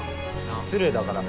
失礼だから。